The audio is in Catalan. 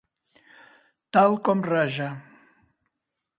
Tal com raja.